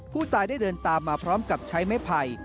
ผู้ตายได้เดินตามมาพร้อมกับใช้ไม้ไผ่